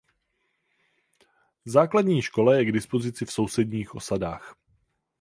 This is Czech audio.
Základní škola je k dispozici v sousedních osadách.